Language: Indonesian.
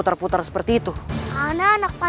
kau akan terlalu menjaga